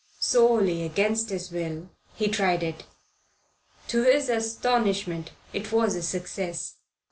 Sorely against his will, he tried it. To his astonishment it was a success.